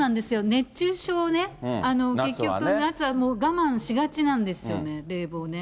熱中症ね、結局、夏はもう我慢しがちなんですよね、冷房をね。